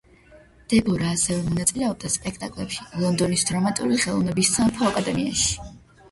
დებორა ასევე მონაწილეობდა სპეკტაკლებში ლონდონის დრამატული ხელოვნების სამეფო აკადემიაში.